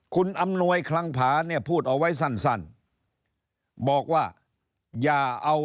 คุณอำนวยคลังผาเนี่ยพูดเอาไว้สั้น